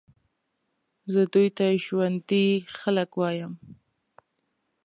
زه دوی ته ژوندي خلک وایم.